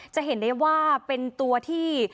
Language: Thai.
จะเห็นได้ว่าเป็นตัวที่